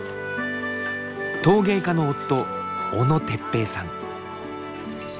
陶芸家の夫小野哲平さん。